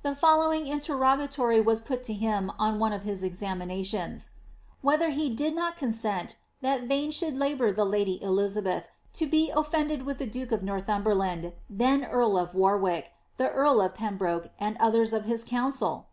The« following interrogatory vas put to him on one of his examinations: ^" Whether he did not consent that Vane should labour the lady Elizabeth to be offended with the duke of Northumberland, then earl of Warwick, the earl of Pem broke, and others of his council